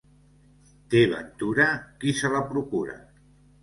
Té ventura qui se la procura.